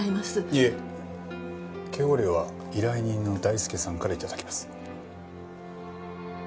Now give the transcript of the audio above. いえ警護料は依頼人の大輔さんから頂きます。